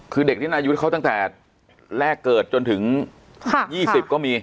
คือเด็กที่นายุทธ์เขาตั้งแต่แรกเกิดจนถึง๒๐ก็มี